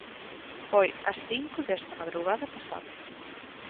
Foi ás cinco desta madrugada pasada.